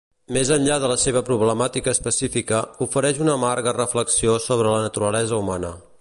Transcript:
Més enllà de la seva problemàtica específica, ofereix una amarga reflexió sobre la naturalesa humana.